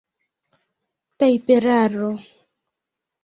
tajperaro